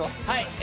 はい。